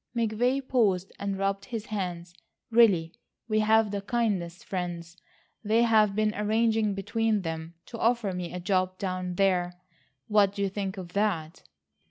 McVay paused and rubbed his hands; "Really, we have the kindest friends; they have been arranging between them to offer me a job down there. What do you think of that?"